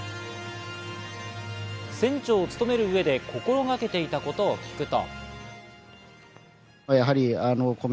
船長を務める上で心がけていたことを聞くと。